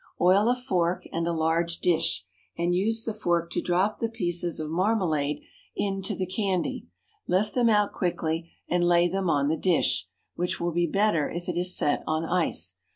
Oil a fork and a large dish, and use the fork to drop the pieces of marmalade into the candy; lift them out quickly, and lay them on the dish, which will be better if it is set on ice.